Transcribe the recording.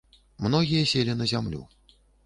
Многія селі на зямлю.